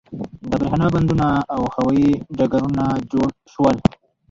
د بریښنا بندونه او هوایی ډګرونه جوړ شول.